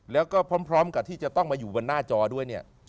แล้วก็พร้อมกับที่จะต้องมาอยู่บนหน้าจอด้วยเนี่ย